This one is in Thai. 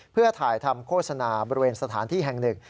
เพื่อถ่ายทำโฆษณาบริเวณสถานที่แห่งหนึ่ง